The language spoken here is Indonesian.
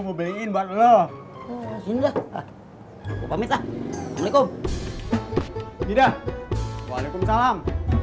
udah aku pamit lah waalaikumsalam